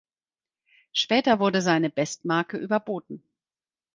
Später wurde seine Bestmarke überboten.